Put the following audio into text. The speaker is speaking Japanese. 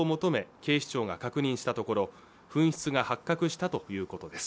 警視庁が確認したところ紛失が発覚したということです